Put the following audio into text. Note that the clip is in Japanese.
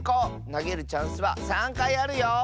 なげるチャンスは３かいあるよ！